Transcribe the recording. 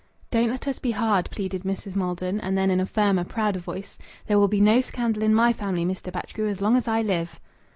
"Don't let us be hard," pleaded Mrs. Maldon. And then, in a firmer, prouder voice: "There will be no scandal in my family, Mr. Batchgrew, as long as I live."